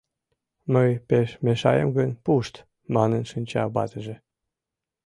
Мый пеш мешаем гын, пушт! — манын шинча ватыже